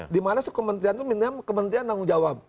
dimana sekementrian itu minta kementrian menanggung jawab